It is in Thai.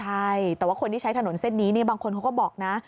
ใช่แต่ว่าคนที่ใช้ถนนเส้นนี้บางคนเขาก็บอกนะ